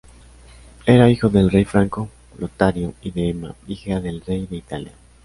Era hijo del rey franco Lotario y de Emma, hija del rey de Italia.